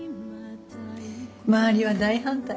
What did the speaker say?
周りは大反対。